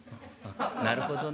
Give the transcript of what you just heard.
「なるほどね」。